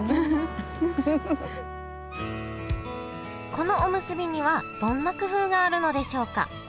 このおむすびにはどんな工夫があるのでしょうか？